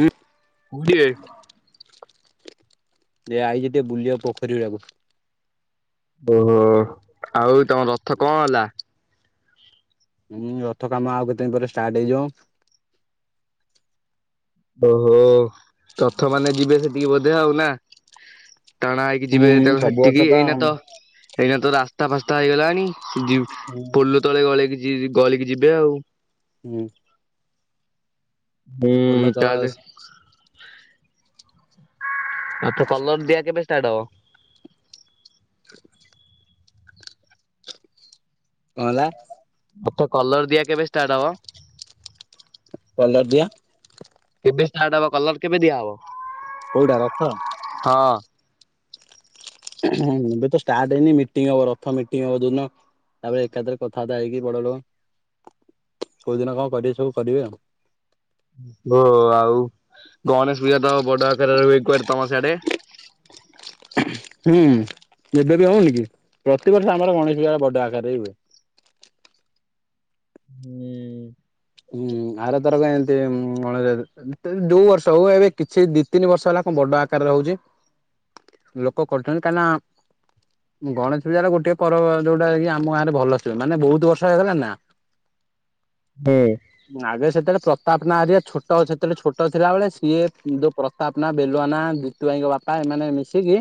ଉଁ କୋଉଠିବେ। ଯେ ଆଇଛି ଟିକେ ବୁଲିବାକୁ ପୋଖରୀ ହୁଡା କୁ। ଓହୋ ଆଉ ତମ ରଥ କଣ ହେଲା। ହୁଁ ରଥ କାମ ଆଉ କେତେ ଦିନ ପରେ ଷ୍ଟାର୍ଟ ହେଇଯିବ। ଓହୋ ତଥ ମାନେ ଯିବେ ସେଠିକି ବୋଧେ ଆଉ ନା। ଟାଣା ହେଇକି ଯିବେ ହୁଁ ତଙ୍କ ସବୁ ବର୍ଷ ସେଠିକି ଏଇନା ତ ହୁଁ ଏଇନା ତ ରାସ୍ତା ଫାସ୍ତା ହେଇଗଲାଣି। ଯିବ୍ ପୋଲ ତଳେ ଗଳକି ଯି ଗଳିକି ଯିବେ ଆଉ। ହୁଁ। ହୁଁ ପୋଲ ତଳ ତାହେଲେ। କାଠ କଲର ଦିଆ କେବେ ଷ୍ଟାର୍ଟ ହବ। କଣ ହେଲା। ଅଖ କଲର ଦିଆ କେବେ ଷ୍ଟାର୍ଟ ହବ। କଲରଦିଆ। କେବେ ଷ୍ଟାର୍ଟ ହେବ କଲର କେବେ ଦିଆହବ। କୋଉଟା ରଥ। ହଁ ଏବେ ତ ଷ୍ଟାର୍ଟ ହେଇନି ମିଟିଂ ହବ ରଥମିଟିଂ ହବ ଯୋଉଦିନ। ତାପରେ ଏକାଥରେ କଥାବତ୍ତା ହେଇକି ବଡଲୋକ। କୋଉଦିନ କଣ କରିବେ ସବୁ କରିବେ ଆଉ। ହଁ ଆଉ ଗଣେଶ ପୂଜା ତ ବଡ ଆ [inaudible] ତମ ସିଆଡ଼େ। ହୁଁ ଏବେ ବି ହଉନି କି ପ୍ରତିବର୍ଷ ଆମର ଗଣେଶ ପୂଜା ବଡ ଆକାରରେ ହୁଏ। [inaudible] ହୁଁ ହୁଁ ଆର ଥରକ ଏମିତି ଗଣେଶ ଜୋଉ ବର୍ଷ ହଉ ଏବେ କିଛି ଦି ତିନି ବର୍ଷ ହେଲା। ବଡ ଆକାରରେ ହଉଛି ଲୋକ କରୁଛନ୍ତି କାହିଁକି ନା। ଗଣେଶ ପୂଜାର ଗୋଟେ ପର୍ବ ଯୋଉଟା କି ଆମ ଗାଁରେ ଭଲ ଥିବ ମାନେ ବହୁତ ବର୍ଷ ହେଇଗଲାଣିନା। [inaudible] ଆଗେ ସେତେବେଳେ ପ୍ରତାପ ନାଁ ହେରିଆ ଛୋଟ ସେତେବେଳେ ଛୋଟ ଛୋଟ ଥିଲା ବେଳେ ସିଏ ଯୋଉ ପ୍ରତାପ ନା ବେଲୁଆାନା ଜିତୁ ଭାଇଙ୍କ ବାପା ଏମାନେ ମିଶିକି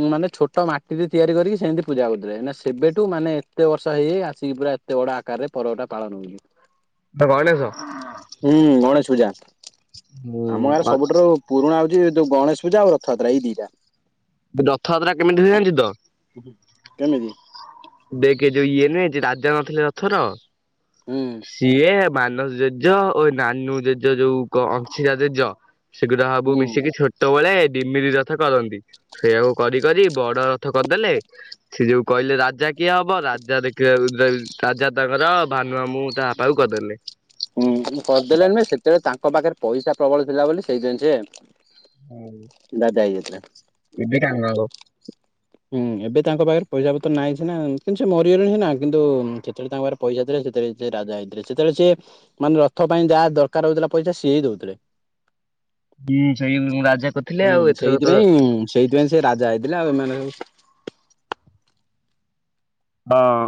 ଉଁ ମାନେ ଛୋଟ ମାଟିରେ ତିଆରି କରିକି ସେମିତି ପୂଜା କରୁଥିଲେ ସେବେଠୁ ମାନେ ଏତେ ବର୍ଷ ହେଇ ହେଇ ଆସିକି। ପୁରା ଏତେ ବଡ ଆକାରରେ ପରବଟା ପାଳନ ହଉଛି। ଗଣେଶ ହୁଁ ଗଣେଶ ପୂଜା। ଆମ ଗାଁରେ ହୁଁ ସବୁଠାରୁ ପୁରୁଣା ହଉଛି ଯୋଉ ଗଣେଶ ପୂଜା ଆଉ ରଥଯାତ୍ରା ଏଇ ଦିଟା। ରଥଯାତ୍ରା କେମିତି ହୁଏ ଜାଣିଛୁତ। କେମିତି ଦେଖେ ଯୋଉ ଇଏ ନୁହେଁ ଯିଏ ରାଜା ନଥିଲେ ରଥର ହୁଁ ସିଏ। ମାନସ ଜେଜ ଓ ନାନୁ ଜେଜ ଯୋଉ କ ଅଂଶୀରା ଜେଜ। ସେଗୁରାସବୁ ହୁଁ। ମିଶିକି ଛୋଟବେଳେ। ଡିମିରି ରଥ କରନ୍ତି ସେଇଆକୁ କରି କରି ବଡ ରଥ କରିଦେଲେ ସେ ଯୋଉ କହିଲେ ରାଜା କିଏ ହବ ରାଜା ଦେଖି ରାଜା ତାଙ୍କର ଭାନୁଆମୁଁ ତା ବାପାକୁ କରିଦେଲେ। ହୁଁ କରିଦେଲେଣି ନାଁ ସେତେବେଳେ ତାଙ୍କ ପାଖରେ ପଇସା ପ୍ରବଳ ଥିଲା ବୋଲି ସେଥି ପାଇଁ ସେ। ଦାଦା ହେଇଯାଇଥିଲେ। ବି। [inaudible] ହୁଁ ଏବେ ତାଙ୍କ ପାଖରେ ପଇସା ପତ୍ର ନାହିଁ ସିନା କିନ୍ତୁ ସେ ମରିଗଲେଣି ସିନା କିନ୍ତୁ ସେତେବେଳେ ତାଙ୍କ ପାଖରେ ପଇସା ଥିଲା ସେ ସେ ସେ ରାଜା ହେଇଥିଲେ ସେତେବେଳେ ସିଏ ମାନେ ରଥ ପାଇଁ ଯାହା ଦରକାର ହଉଥିଲା ପଇସା ସିଏ ହିଁ ଦେଉଥିଲେ। ହୁଁ ସେଇଆଙ୍କୁ ରାଜା କରିଥିଲେ ହୁଁ ଆଉ ଏଥରକ ତ ସେଇଥିପାଇଁ ସେଇଥିପାଇଁ ସେ ରାଜା ହେଇଥିଲେ ଆଉ ଏମାନେ ସବୁ ହଁ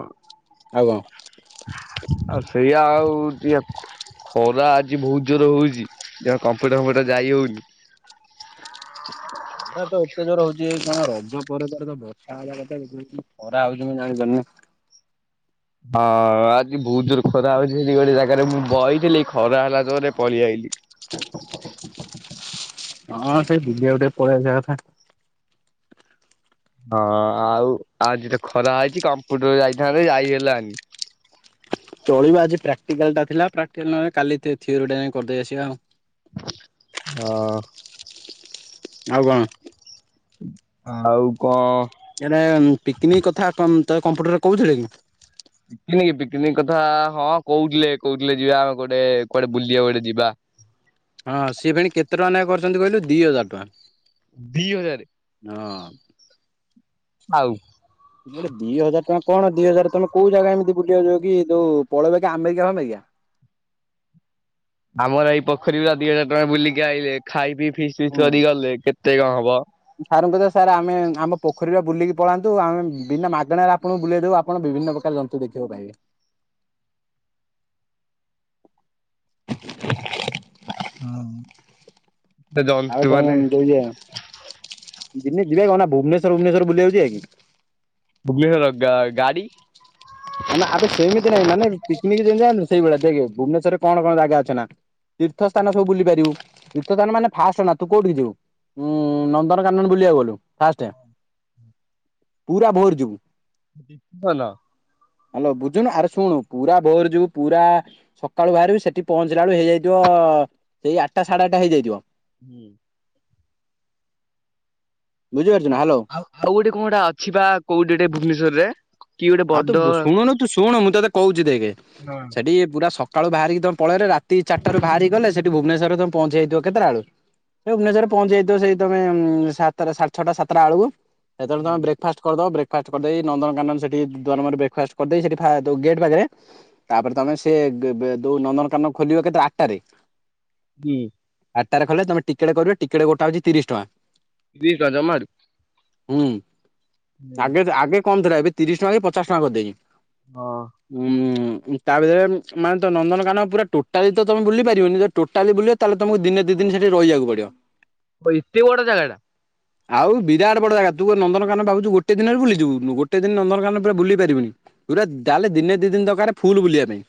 ଆଉ କଣ ଆଉ ସେଇଆ ଖରା ଆଜି ବହୁତ ଜୋରରେ ହଉଛି ତେଣୁ କମ୍ପ୍ୟୁଟର ଫମ୍ପୁଟର ଯାଇ ହଉନି। [inaudible] ଖରା ତ ଏତେ ଜୋର ହଉଛି କଣ ରଜ ପରେ ପରେ ତ ବର୍ଷା ହେବା କଥା ଖରା ହଉଛି ମୁଁ ଜାଣି ପାରୁନି। ହଁ ଆଜି ବୋହୁତ ଜୋରରେ ଖରା ହେଉଛି। ସେଠି ଗୋଟେ ଜାଗାରେ ମୁଁ ବଇଥିଲି ଖରା ହେଲା ଜୋରରେ ପଳେଇଆଇଲି। ହଁ ସେଇ ଭିଜିବାକୁ ଟିକେ ପଳେଇ ଆସିବା କଥା। ହଁ ଆଉ ଆଜି ତ ଖରା ହେଇଛି କମ୍ପ୍ୟୁଟର ଯାଇଥାନ୍ତେ ଯାଇ ହେଲାନି। [inaudible] ଚଳିବ ଆଜି ପ୍ରାକ୍ଟିକାଲ ଟା ଥିଲା ପ୍ରାକ୍ଟିକାଲ ନହେଲେ କାଲି ଥିଓରି ଟା ଯାଇଙ୍କି କରିଦେଇକି ଆସିବା ଆଉ। ଅ ଆଉ କଣ? ଆଉ କ ଏରା ପିକନିକ କଥା ତମ ତ କମ୍ପ୍ୟୁଟରରେ କହୁଥିଲେ କି? ପିକନିକ ପିକନିକ କଥା ହଁ କହୁଥିଲେ କହୁଥିଲେ ଯିବା ଆମେ କୁଆଡ଼େ କୁଆଡେ ବୁଲିବାକୁ ଗୋଟେ ଯିବା। ହଁ ସିଏ ଫେଣି କେତେ ଟଙ୍କା ନେଖାଁ କରିଛନ୍ତି କହିଲୁ ଦି ହଜାର ଟଙ୍କା। ଦି ହଜାର! ହଁ। ଥାଉ। ଗୋଟେ ଦି ହଜାର ଟଙ୍କା କଣ ଦି ହଜାର ତମ କୋଉ ଜାଗା ଏମିତି ବୁଲିବାକୁ ଯିବକି ଯୋଉ ପଳେଇବ କି ଆମେରିକା ଫାମେରିକା। [unintelligible] ଆମର ଏଇ ପୋଖରୀ ପୁରା ଦିଇ ହଜାର ଟଙ୍କା ବୁଲିକି ଆଇଲେ ଖାଇ ପିଇ ଫିଷ୍ଟ ଫିଷ୍ଟ କରିକି ଗଲେ କେ ତେ କଣ ହବ। ସାର୍ ଙ୍କୁ କହିଦେ ସାର୍ ଆମେ ଆମ ପୋଖରୀରେ ବୁଲିକି ପଳାନ୍ତୁ ଆମେ ବିନା ମାଗଣାରେ ଆପଣଙ୍କୁ ବୁଲେଇ ଦେବୁ ଆପଣ ବିଭିନ୍ନ ପ୍ରକା ର ଜନ୍ତୁ ଦେଖିବାକୁ ପାଇବେ। [inaudible] [inaudible] ଆଉ ଜନ୍ତୁ ତମ ମାନେ ଯୋଉ ଇଏ ଦିନେ ଯିବା କଣନା ଭୁବନେଶ୍ୱର ଭୁବନେଶ୍ୱର ବୁଲିଆକୁ ଯିବା କି! ଭୁବନେଶ୍ୱର ଗା ଗାଡି ଅନା ଆବେ ସେମିତି ନାଇଁ ମାନେ ପିକନିକ୍ ଯେମିତି ଯାଉନୁ ସେଇଭଳିଆ ଦେଖ୍ ଭୁବନେଶ୍ୱରରେ କଣ କଣ ଜାଗା ଅଛି ନା ତୀର୍ଥ ସ୍ଥାନ ସବୁ ବୁଲି ପାରିବୁ ତୀର୍ଥ ସ୍ଥାନ ମାନେ ଫାଷ୍ଟ ଅନା ତୁ କୋଉଠିକି ଯିବୁ? ଉଁ ନନ୍ଦନକାନନ ବୁଲିଆକୁ ଗଲୁ ଫାଷ୍ଟେ ହୁଁ ପୁରା ଭୋର ଯିବୁ [inaudible] ହାଲୋ ବୁଝୁନୁ ଆରେ ଶୁଣୁ ପୁରା ଭୋର ଯିବୁ ପୁରା ସକାଳୁ ବାହାରିବୁ ସେଠି ପହଞ୍ଚ ଞ୍ଚିଲା ବେଳକୁ ହେଇଯାଇଥିବ ସେଇ ଆଠଟା ସାଢେ ଆଠଟା ହେଇଯାଇଥିବ ହୁଁ। ବୁଝିପାର ଆଉ ଆଉ ଗୋଟେ କଣ ଗୋଟେ ଅଛି ବା କୋଉଠି ଗୋଟେ ଭୁବନେଶ୍ଵରରେ? କି ଗୋଟେ ଆଉ ତୁ ବଡ ବୁ ଶୁଣୁନୁ ତୁ ଶୁଣୁ ମୁଁ ତତେ କହୁଛିି ଦେଖେ ହୁଁ ସେଠି ପୁରା ସ କାଳୁ ବାହାରିକି ତମେ ପଳେଇଲେ ରାତି ଚାରିଟାରୁ ବାହାରିକି ଗଲେ ସେଠି ଭୁବନେଶ୍ୱରରେ ତମେ ପହଞ୍ଚିଯାଇଥିବ କେତେଟାବେଳକୁ ସେ ଭୁବନେଶ୍ୱରରେ ପହଞ୍ଚି ଯାଇଥିବ ସେଇ ତମେ ଉଁ ସାତଟା ଛଅଟା ସାତଟା ବେଳକୁ। ସେତେଳେ ତମେ ବ୍ରେକଫାଷ୍ଟ କରିଦବ ବ୍ରେକଫାଷ୍ଟ କରିଦେଇ ନନ୍ଦନକାନନ ସେ ଟିକେ ଦୁଆରମୁହଁରେ ବ୍ରେକଫାଷ୍ଟ କରିଦେଇ ସେଠି ଖାଇ ଦେବ ଗେଟ୍ ପାଖରେ ତାପରେ ତମେ ସିଏ [unintelligible] ଦୋଉ ନନ୍ଦନକାନନ ଖୋଲିବ କେତେ ଆଠଟାରେ? ହୁଁ। ଆଠଟାରେ ଖୋଲିଲେ ତମେ ଟିକେଟ କରିବ ଟିକେଟ ଗୋଟା ହଉଛି ତିରିଶ ଟଙ୍କା। ତିରିଶ ଟଙ୍କା ଜମାରୁ। ହୁଁ ହଁ ଆଗେ ଆଗେ କମ୍ ଥିଲା ଏବେ ତିରିଶ ଟଙ୍କା କି ପଚାଶ ଟଙ୍କା କରିଦେଇଛି। ହୁଁ। ତା ଭିତରେ ମାନେ ତ ନନ୍ଦନକାନନ ପୁରା ଟୋଟାଲି ତ ତମେ ବୁଲି ପାରିବନି ଯଦି ଟୋଟାଲି ବୁଲିବ ତାହେଲେ ତମକୁ ଦିନେ ଦି ଦିନି ସେଠି ରଇବାକୁ ପଡିବ। ଓ ଏତେ ବଡ ଜାଗାଟା! ଆଉ ବିରାଟ ବଡ ଜାଗା ତୁ କଣ ନନ୍ଦନକାନନ ଭାବୁଛୁ ଗୋଟେ ଦିନରେ ବୁଲିଯିବୁ? ଗୋଟେ ଦିନ ନନ୍ଦନକାନନ ପୁରା ବୁଲି ପାରିବୁନି ପୁରା ଯାହାହେଲେ ଦିନେ ଦି ଦିନ ଦରକାର ଫୁଲ ବୁଲିବା ପାଇଁ।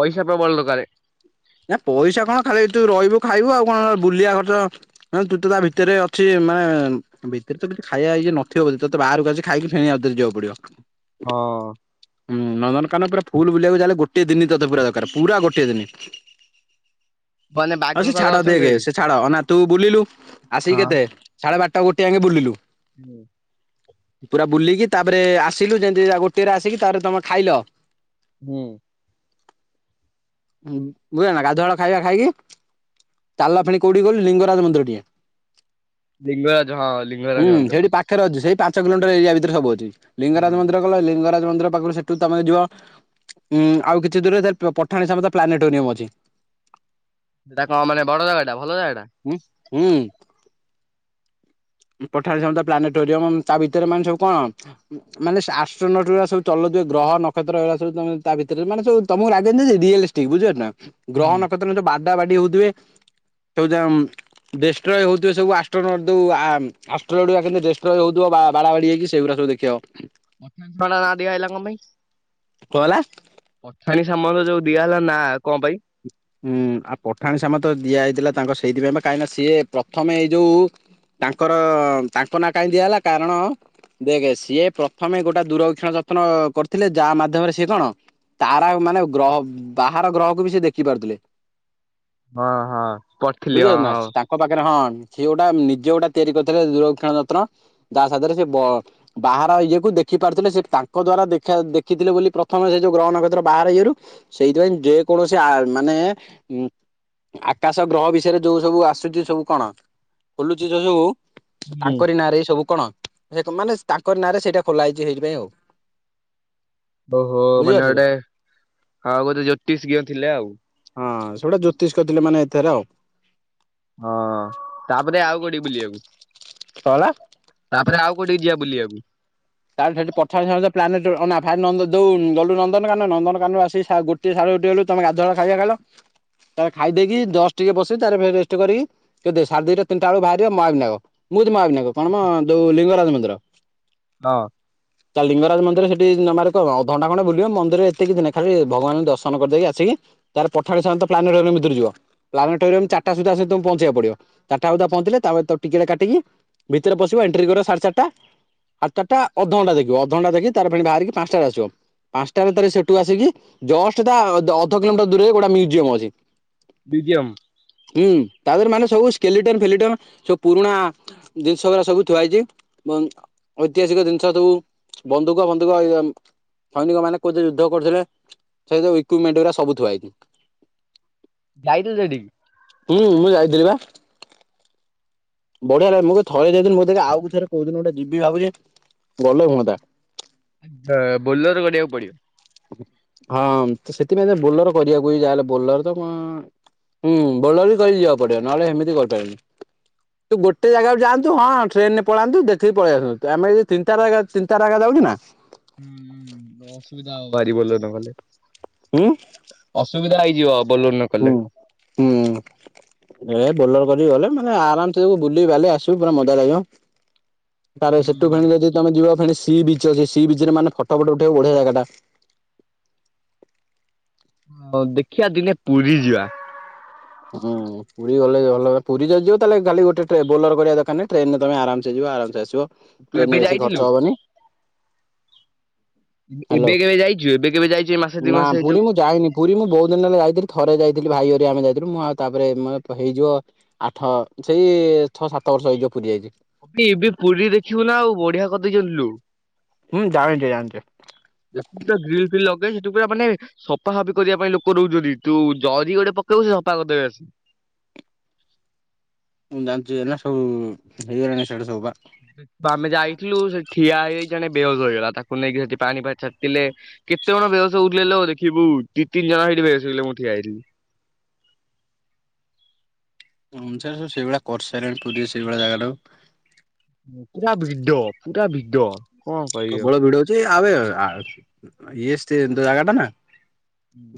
ପଇସା ପ୍ରବଳ ଦରକାରେ। ନା ପଇସା କଣ ଖାଲି ତୁ ରଇବୁ ଖାଇବୁ ଆଉ କଣ ବୁଲିବା ଖର୍ଚ୍ଚ ତୁ ତ ତା ଭିତରେ ଅଛି ମାନେ ଭିତରେ ତ କିଛି ଖାଇବା ଇଏ ନଥିବ ବୋଧେ ତତେ ବାହାରକୁ ଆସିକି ଖାଇକି ଫେଣ ଆଉଥରେ ଯିବାକୁ ପଡିବ। ହଁ। ହୁଁ ନନ୍ଦନକାନନ ପୁରା ଫୁଲ ବୁଲିବାକୁ ଯାହାଲେ ଗୋଟେ ଦିନି ତତେ ପୁରା ଦରକାର ପୁରା ଗୋଟେ ଦିନି। ମାନେ ବାଘ ହଉ ସେ ଫାଘ ଛାଡ ଅଛନ୍ତି ଦେଖେ ସେଠି? ସେ ଛାଡ ଅନା। ତୁ ବୁଲିଲୁ ଆସିକି କେତେ ସାଢେ ବାରଟା ଗୋଟେ ଜାଙ୍କେ ବୁଲିଲୁ। ହୁଁ। ପୁରା ବୁଲିକି ତାପରେ ଆସିଲୁ ଯେମିତି ଗୋଟିଏରେ ଆସିକି ତାପରେ ତମେ ଖାଇଲ? ହୁଁ। ହୁଁ। ବୁଝିଲ ନା ଗାଧୁଆଳ ଖାଇବା ଖାଇକି ଚାଲିଲ ଫେଣି କୋଉଠି କହିଲୁ ଲିଙ୍ଗରାଜ ମନ୍ଦିର ଟିକେ। ଲିଙ୍ଗରାଜ ହଁ ହୁଁ ଲିଙ୍ଗରାଜ ମନ୍ଦିର। ସେଇଠି ପାଖରେ ଅଛି ସେଇ ପା ପାଞ୍ଚ କିଲୋମିଟର ଏରିଆ ଭିତରେ ସବୁଅଛି ଲିଙ୍ଗରାଜ ହୁଁ। ମନ୍ଦିର ଗଲ ଲିଙ୍ଗ ଲିଙ୍ଗରାଜ ମନ୍ଦିର ପାଖରୁ ସେଠୁ ତମେ ଯିବ ଉଁ ଆଉ କିଛି ଦୂରରେ ସେ ପଠାଣିସାମନ୍ତ ପ୍ଲାନେଟୋରିୟମ ଅଛି। ଠିକ୍। ସେଇଟା କଣ ମାନେ ବଡ ଜାଗାଟା ଭଲ ଜାଗା ଟା। ହୁଁ ହୁଁ। ପଠାଣି ସାମନ୍ତ ପ୍ଲାନେଟୋରିୟମ ତା ଭିତରେ ମାନେ ସବୁ କଣ ମାନେ ଆଷ୍ଟ୍ରୋନଟୋ ସବୁ ଚଲୁ ନ ଗ୍ରହ ନକ୍ଷତ୍ର ହେଲା ସୁ ତମେ ତା ଭିତରେ ମାନେ ତମକୁ ଲାଗେନି ରିଲିଷ୍ଟିକ ବୁଝି ପାରୁଛନା। ଗ୍ରହ ନକ୍ଷତ୍ର ଯୋଉ ବାଡା ବାଡି ହଉଥିବେ ସେଉ ଡେଷ୍ଟ୍ରୟ ହେଉଥିବ ସବୁ ଆଷ୍ଟ୍ରୋ ନ ଦୌ ଆ ଆଷ୍ଟ୍ର ଡୁ ଜାଗାରେ ଦେଷ୍ଟ୍ରଏ ହୋଇଥିବ ବା ବାଡ଼ା ବାଡ଼ି ହେଇକି ସେଗୁରା ଯୁ ଦେଖିବ। ପଠାଣି ସାମନ୍ତ ନାଁ ଦିଆ ହେଲା କଣ ପାଇଁ। କଣ ହେଲା? ଏମନ୍ତଯୋଉ ଦିଆହଲା ନାଁ କଣ ପାଇଁ? ହୁଁ ଆଉ ପଠାଣି ସାମନ୍ତ ତ ଦିଆଯାଇଥିଲା ତାଙ୍କ ସେଇଥିପାଇଁ ବା କାଇଁକି ନା ସିଏ ପ୍ରଥମେ ଏଇ ଯୋଉ ତାଙ୍କର ତାଙ୍କ ନାଁ କାହିଁ ଦିଆ ହେଲା କାରଣ ଦେଖ ସିଏ ପ୍ରଥମେ ଗୋଟେ ଦୂରକ୍ଷଣ ଯତ୍ନ କରିଥିଲେ ଯାହା ମାଧ୍ୟମରେ ସିଏ କଣ ତାରା ମାନେ ଗ୍ରହ ବାହାର ଗ୍ରହକୁ ବି ସେ ଦେଖି ପାରୁଥିଲେ। ହଁ ହଁ ପଢିଥିଲି ବୁଝି ହଁ ପାରିଲୁ ନା ସେ ତାଙ୍କ ପାଖରେ ହଁ ସିଏ ଗୋଟା ନିଜେ ଗୋଟା ତିଆରି କରିଥିଲେ ଦୂରବିକ୍ଷଣ ଯତ୍ନ ଯା ସାହାଯ୍ୟ ରେ ସିଏ ବାହାର ଇଏକୁ ଦେଖି ଦେଖି ପାରୁଥିଲେ ସେ ତାଙ୍କ ଦ୍ଵାରା ଦେଖା ଦେଖି ଥିଲେ ବୋଲି ପ୍ରଥମେ ସେ ଯୋଉ ଗ୍ରହ ନ କକ୍ଷତ୍ର ବାହାର ଈଏରୁ ସେଇଥିପାଇଁ ଯେକୌଣସି ଆ ମାନେ ଉ ଆକାଶ ଗ୍ରହ ବିଷୟରେ ଯୋଉ ସବୁ ଆସୁଛି ସବୁ କଣ ଖୋଲୁଛି ଯୋଉ ସବୁ ହଁ। ତାଙ୍କରି ନାଁରେ ଏଇ ସବୁ କଣ? ସେ ମାନେ ତାଙ୍କ ନାଁରେ ସେଇଟା ଖୋଲା ହେଇଛି ସେଇଥିପାଇଁ ଆଉ ଓହୋ ମାନେ ବୁଝିପାରୁଛୁ ତ? ଗୋଟେ ଆଉ ଗୋଟେ ଜ୍ୟୋତିଷଜ୍ଞ ଥିଲେ ଆଉ। ହଁ ସେଗୁଟା ଜ୍ୟୋତିଷ କରିଥିଲେ ମାନେ ଏଥରେ ଆଉ ହଁ ତାପରେ ଆଉ କୋଉଠି ବୁଲିବାକୁ। କଣ ହେଲା? ତାପରେ ଆଉ କୋଉଠିକି ଯିବା ବୁଲିବାକୁ? ତା ସେଠି ପଠାଣି ସାମନ୍ତ ପ୍ଲାନେଡୋରି ଅନା ତାପରେ ଯୋଉ ଗଲୁ ନନ୍ଦନକାନନ ନନ୍ଦନକାନନ ରୁ ଆସି ସା ଗୋଟଏ ସାଆ ଗୋଟେ ବେଳକୁ ତମେ ଗାଧୁଆ ଖାଇବା ଖାଇଲ। ତମେ ଖାଇଦେଇକି ଜଷ୍ଟ ଟିକେ ବସିକି ତାପରେ, ରେଷ୍ଟ କରିକି କେତେ ସାଢ଼େ ଦିଟା ତିନିଟା ବେଳକୁ ବାହାରିବା [unintelligible] [unintelligible] କଣ ନା ଯୋଉ ଲିଙ୍ଗରାଜ ମନ୍ଦିର। ହଁ। ତ ଲିଙ୍ଗରାଜ ମନ୍ଦିର ସେଠି ନ ମାରେ କଣ ହବ ଅଧଘଣ୍ଟା ଖଣ୍ଡେ ବୁଲିବ ମନ୍ଦିର ଏତେ କିଛି ନାଇଁ ଖାଲି ଭଗବାନଙ୍କୁ ଦର୍ଶନ କରିଦେଇକି ଆସିକି ତାପରେ ପଠାଣି ସାମନ୍ତ ପ୍ଲାନେଟୋରିଅମ୍ ଭିତରକୁ ଯିବ ପ୍ଲାନେଟୋରିୟମ ଚାରିଟା ସୁଧା ପହଞ୍ଚେଇବାକୁ ପଡିବ ଚାରିଟା ସୁଦ୍ଧା ପହଞ୍ଚିଲେ ତାପରେ ଟିକେଟ କାଟିକି ଭିତରେ ପଶିବ ଏଣ୍ଟ୍ରି କରିବା ସାଢ଼େ ଚାରିଟା ଆଠ ଚାରଟା ଅଧଘଣ୍ଟା ଦେଖିବ ଅଧଘଣ୍ଟା ଦେଖିକି ତାପରେ ଫୁଣି ବାହାରିକି ପାଞ୍ଚଟାରେ ଆସିବ। ପାଞ୍ଚଟା ଭିତରେ ସେଠୁ ଆସିକି ଜଷ୍ଟ ତା ଅ ଅଧ କିଲୋମିଟର ଦୂରରେ ଗୋଟେ ମୁଜିୟମ ଅଛି। ମ୍ୟୁଜିୟମ୍ ହୁଁ, ତାପହରେ ମାନେ ସବୁ ସ୍କେଲିଟନ ଫେଲିଟନ ସବୁ ପୁରୁଣା ଜିନିଷ ଗଡା ସବୁ ଥୁଆ ହେଇଛି। ଏବଂ ଐତିହାସିକ ଜିନିଷ ସବୁ ବନ୍ଧୁକ ଫନ୍ଧୁକ ସୈନିକ ମାନେ କୋଉଠି ଯୁଦ୍ଧ କରୁଥିଲେ ସେଇ ସବୁ ଇକୁମେଣ୍ଟ ଗୁଡ଼ା ସବୁ ଥିଆହେଇଛି। ଯାଇଥିଲ ସେଠିକି? ହୁଁ ମୁଁ ଯାଇଥିଲି ବା। ବଢିଆ ଲାଗେ ମୁଁ ଥରେ ଯାଇଥିଲି ମୁଁ ଆଉ ଥରେ କୋଉଦିନ ଗୋଟେ ଯିବି ଭାବୁଛି। ଗଲେ ହୁଅନ୍ତା। ବୋଲର କରିବାକୁ ପଡିବ। ହଁ ସେଥିପାଇଁ ବୋଲେର କରିବାକୁ ଯାହା ହେଲେ ବୋଲେର ତ କଣ ହୁଁ ବଲର ଧରିକି ଯିବାକୁ ପଡିବ ନହେଲେ ସେମିତି କହିପାରନି। ତୁ ଗୋଟେ ଜାଗାକୁ ଯାଆନ୍ତୁ ହଁ ଟ୍ରେନ ରେ ପଳାନ୍ତୁ ଦେଖିକି ପଳେଇ ଆସନ୍ତୁ। ଆମେ ଯୋଉ ତିନିଟା ରଗା ତିନିଟା ରଗା ଯାଉ ଉ ନା। ହୁଁ ହୁ ଅସୁବିଧା ହବ ଭାରି ବଲର ନ କଲେ। ହୁଁ। ସୁବିଧା ହେଇଯିବ। ବୋଲର ନ ହୁଁ କଲେ ହୁଁ। ହେ ବୋଲର କରିକି ଗଲେ ମାନେ ଆରାମସେ ସବୁ ବୁଲି ବାଲି ଆସିବୁ ପୁରା ମଜା ଲାଗିବ। ତାର ସେଠୁ ଫେଣି ଯଦି ତମେ ଯିବ ଫେଣିସ ସି ବିଚ ଅଛି ସି ବିଚ ରେ ମାନେ ଫଟୋ ଫଟ ଉଠେଇବୁ ବଢିଆ ଜାଗା ଟା। ହ ଦେଖିବା ଦିନେ ପୁରୀ ଯିବା। ହୁଁ ପୁରୀ ଗଲେ ଭଲ। ପୁରୀ ଯଦି ଯିବ ତାହାଲେ ଗୋଟେ ବୋଲର କରିବା ଦରକାର ନାହିଁ ଟ୍ରେନରେ ତମେ ଆରାମସେ ଯିବ ଆରାମସେ ଆସିବ। ତୁ ଟ୍ରେନ ଏବେ ରେ ବେଶୀ ଯାଇଥିଲୁ? ଖର୍ଚ୍ଚ ହବନି। ହ୍ୟାଲୋ ଏବେ କେବେ ଯାଇଛୁ ଏବେ କେବେ ଯାଇଛୁ ଏଇ ମାସେ ଦି ନା ମାସେ ଯୋଉ ପୁରୀ ମୁଁ ଯାଇନି ପୁରୀ ମୁଁ ବହୁତ ଦିନ ହେଲା ଯାଇଥିଲି ଥରେ ଯାଇଥିଲି ଭାଇ ହରିଆ ଆମେ ଯାଇଥି ମୁଁ ଆଉ ତାପରେ ମ ହେଇଯିବ ଆଠ ସେଇ ଛଅ ସାତ ବର୍ଷ ହେଇଯିବ ପୁରୀ ଯାଇଛି। ଏ ଏବେ ପୁରୀ ଦେଖିବୁ ନା ଆଉ ବଢିଆ କରିଦେଇ ବୁଝିଲୁ। ହୁଁ ଜାଣିଛି ଜାଣିଛି। ଦ ପୁରା ଗ୍ରୀିଲ ଫିଲ୍ ସେଠୁ ପୁରା ମାନେ ସଫା ସଫି କରିବା ପାଇଁ ଲୋକ ରହୁଛନ୍ତି। ତୁ ଜଦି ଗୋଟେ ଜରି ପକେଇବୁ ସେ ସଫା କରିଦେବେ ଆସି। ମୁଁ ଜାଣିଛି ନା ସବୁ ହେଇଗଲାଣି ସେଟା ସବୁ ବା। ଆମେ ଯାଇଥିଲୁ ସେ ଠିଆ ହେଇଯାଇ ଜଣେ ବହସ ହେଇଗଲା ତାକୁ ନେଇକି ସେଠି ପାଣି ଫାଣି ଛାତିିଲେ କେତେ ଜଣ ବେହସ ହଉଥିଲେ ଦେଖିବୁ ଦି ଠି ବସିଲ ମୁଁ ଠିଆ ହେଇଥିଲି ସବୁ ସେଇଭଳିଆ କରିସାରିଲେଣି ପୁରୀ ରେ ସେଇଭଳିଆ ଜାଗାଟାକୁ ପୁରା ଭିଦ ପୁରା ଭିଦ ପ୍ରବଳ ଭିଡ ହଉଛି ଆ ଇଏ ସେ ଜାଗା ଟା ନା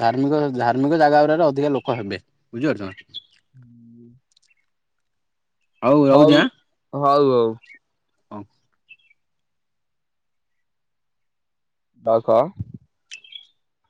ଧାର୍ମିକ ଧାର୍ମିକ ଜାଗା ଗୁଡାରେ ଅଧିକା ଲୋକ ହେବେ ବୁଝିପାରୁଛ ନା। ହୁଁ। ହଉ ହଉ ହଉ। ହ ପାଉଖା